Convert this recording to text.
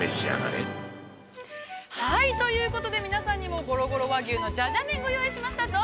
◆はい、ということで、皆さんにも「ゴロゴロ和牛のじゃじゃ麺」、ご用意しました。